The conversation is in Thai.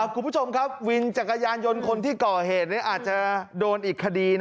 คุณผู้ชมครับวินจักรยานยนต์คนที่ก่อเหตุอาจจะโดนอีกคดี